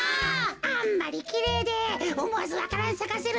あんまりきれいでおもわずわか蘭さかせるほどじゃぞ。